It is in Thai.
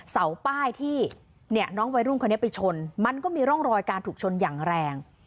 เสาป้ายที่น้องวัยรุ่นคนนี้ไปชนมันก็มีร่องรอยการถูกชนอย่างแรง